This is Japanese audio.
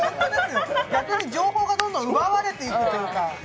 逆に情報がどんどん奪われていくというか。